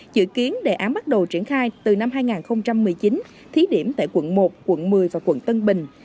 chữ kiến đề án bắt đầu triển khai từ năm hai nghìn một mươi chín thí điểm tại quận một quận một mươi và quận tân bình